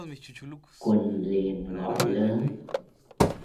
Quần liền gọi lớn